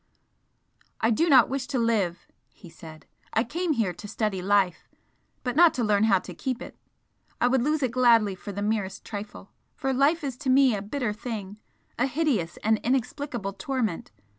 "I do not wish to live!" he said "I came here to study life, but not to learn how to keep it. I would lose it gladly for the merest trifle! For life is to me a bitter thing a hideous and inexplicable torment!